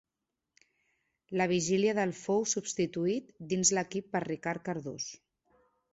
La vigília del fou substituït dins l'equip per Ricard Cardús.